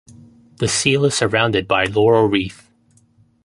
The seal is surrounded by a laurel wreath.